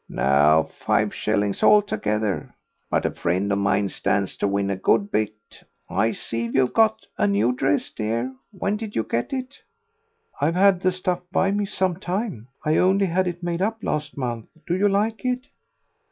"No, five shillings altogether.... But a friend of mine stands to win a good bit. I see you've got a new dress, dear. When did you get it?" "I've had the stuff by me some time. I only had it made up last month. Do you like it?"